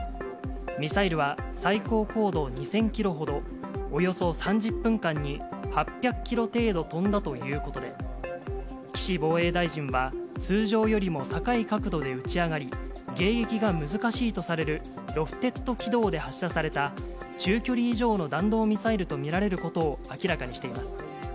ミサイルは最高高度２０００キロほど、およそ３０分間に、８００キロ程度飛んだということで、岸防衛大臣は、通常よりも高い角度で撃ち上がり、迎撃が難しいとされるロフテッド軌道で発射された、中距離以上の弾道ミサイルと見られることを明らかにしています。